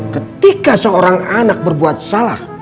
ketika seorang anak berbuat salah